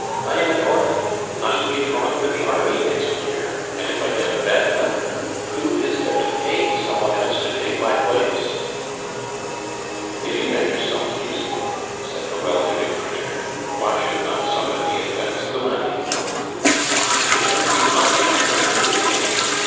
"I am an orphan, I shall be drawn for the army next year, and if I get a bad number who is there to pay some one else to take my place?" "If you make yourself useful," said the well to do printer, "why should not somebody advance the money?" "It won't be my gaffer in any case!"